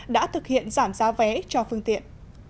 đã thực hiện giảm giá vé cho phương tiện